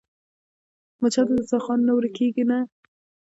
مچان د دسترخوان نه ورکېږي نه